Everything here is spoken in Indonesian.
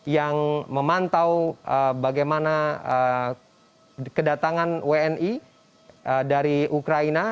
yang memantau bagaimana kedatangan wni dari ukraina